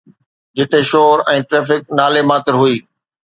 جتي شور ۽ ٽريفڪ نالي ماتر هئي.